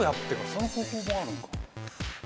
その方法もあるのか。